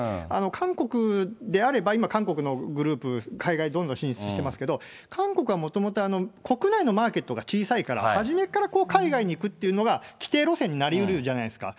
韓国であれば、今、韓国のグループ、海外、どんどん進出していますけれども、韓国はもともと、国内のマーケットが小さいから、初めっから海外に行くっていうのが、既定路線になりうるじゃないですか。